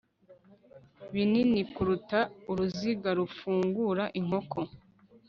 binini kuruta uruziga rufungura inkoko